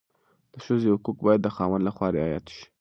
د ښځې حقوق باید د خاوند لخوا رعایت شي.